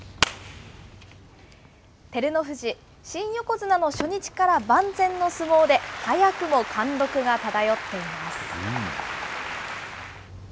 照ノ富士、新横綱の初日から万全の相撲で、早くも貫禄が漂っています。